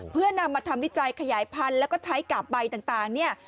เพื่อนำมาทำวิจัยขยายพันธุ์แล้วก็ใช้กาบใบต่างเนี่ย